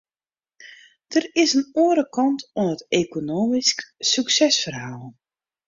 Der is in oare kant oan it ekonomysk suksesferhaal.